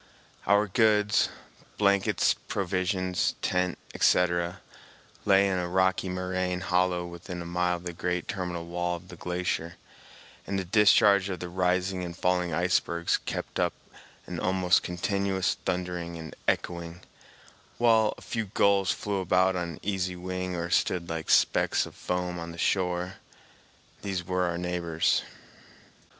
Our goods—blankets, provisions, tent, etc.—lay in a rocky moraine hollow within a mile of the great terminal wall of the glacier, and the discharge of the rising and falling icebergs kept up an almost continuous thundering and echoing, while a few gulls flew about on easy wing or stood like specks of foam on the shore. These were our neighbors.